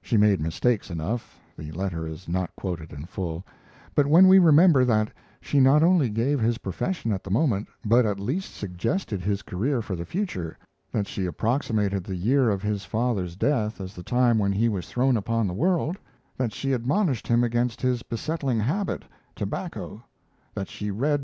She made mistakes enough (the letter is not quoted in full), but when we remember that she not only gave his profession at the moment, but at least suggested his career for the future; that she approximated the year of his father's death as the time when he was thrown upon the world; that she admonished him against his besetting habit, tobacco; that she read.